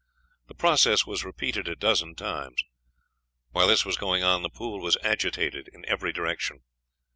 The process was repeated a dozen times. While this was going on, the pool was agitated in every direction.